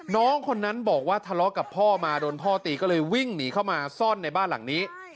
น้องคนนั้นบอกว่าทะเลาะกับพ่อมาโดนพ่อตีก็เลยวิ่งหนีเข้ามาซ่อนในบ้านหลังนี้